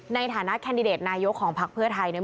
ในฐานะแคนดิเดตนายกของพักเพื่อไทยเนี่ย